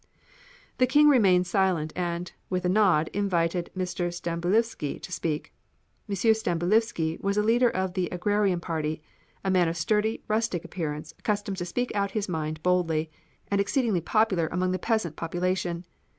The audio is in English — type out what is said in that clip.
The King remained silent, and, with a nod, invited M. Stambulivski to speak. M. Stambulivski was a leader of the Agrarian party, a man of sturdy, rustic appearance, accustomed to speak out his mind boldly, and exceedingly popular among the peasant population.